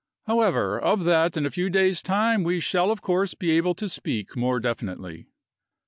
However, of that in a few days' time we shall of course be able to speak more definitely."